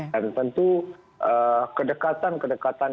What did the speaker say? dan tentu kedekatan kedekatan